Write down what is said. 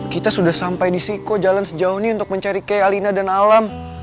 kita sudah sampai di siko jalan sejauh ini untuk mencari kayak alina dan alam